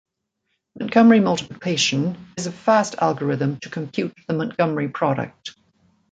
Montgomery multiplication is a fast algorithm to compute the Montgomery product.